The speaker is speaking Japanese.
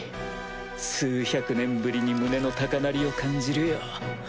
数百年ぶりに胸の高鳴りを感じるよ。